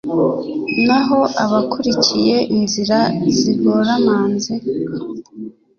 Naho abakurikiye inzira zigoramanze